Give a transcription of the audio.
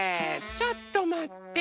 ちょっとまって。